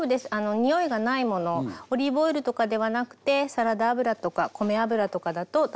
匂いがないものオリーブオイルとかではなくてサラダ油とか米油とかだと大丈夫だと思います。